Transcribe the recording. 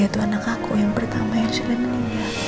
dia tuh anak aku yang pertama yang silengin dia